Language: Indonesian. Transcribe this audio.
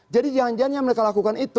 jadi jangan jangan mereka lakukan itu